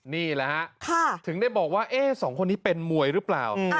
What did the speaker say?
นี่แหละฮะถึงได้บอกว่าสองคนนี้เป็นมวยหรือเปล่า